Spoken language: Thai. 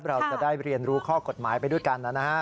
เราจะได้เรียนรู้ข้อกฎหมายไปด้วยกันนะฮะ